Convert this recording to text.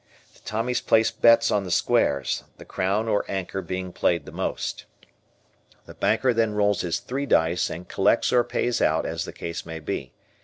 The Tommies place bets on the squares, the crown or anchor being played the most. The banker then rolls his three dice and collects or pays out as the case may be.